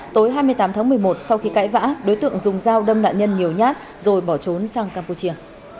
tối hai mươi tám tháng một mươi một sau khi cãi vã đối tượng dùng dao đâm nạn nhân nhiều nhát rồi bỏ trốn sang campuchia